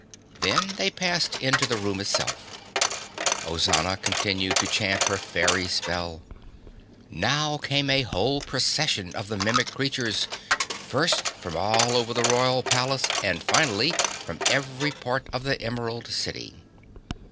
Then they passed into the room itself. Ozana continued to chant her fairy spell. Now came a whole procession of the Mimic creatures, first from all over the Royal Palace and finally from every part of the Emerald City.